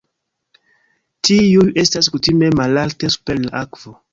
Tiuj estas kutime malalte super la akvo.